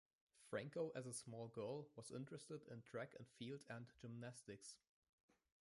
Franco as a small girl was interested in track and field and gymnastics.